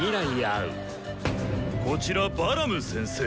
こちらバラム先生。